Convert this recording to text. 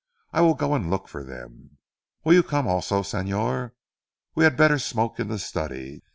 I will go and look for them. Will you come also, Señor? We had better smoke in the study.